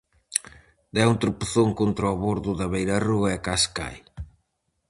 Deu un tropezón contra o bordo da beirarrúa e case cae.